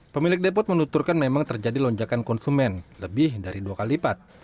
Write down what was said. pemilik depot menuturkan memang terjadi lonjakan konsumen lebih dari dua kali lipat